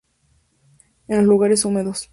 En los lugares húmedos.